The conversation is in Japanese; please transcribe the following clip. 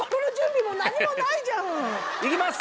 いきます